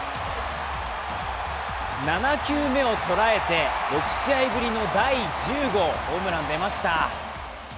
７球目を捉えて６試合ぶりの第１０号ホームラン出ました。